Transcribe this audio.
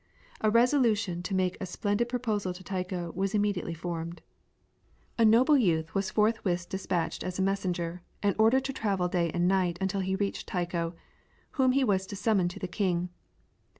A resolution to make a splendid proposal to Tycho was immediately formed. A noble youth was forthwith despatched as a messenger, and ordered to travel day and night until he reached Tycho, whom he was to summon to the king.